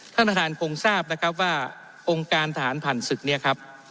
ท่านประธานคงทราบนะครับว่าองค์การทหารผ่านศึกเนี่ยครับ